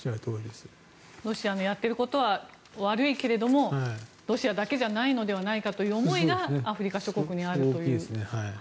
ロシアのやっていることは悪いけれどロシアだけじゃないのではないかという思いがアフリカ諸国にあると。